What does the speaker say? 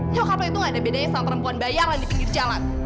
nyokap lo itu nggak ada bedanya sama perempuan bayaran di pinggir jalan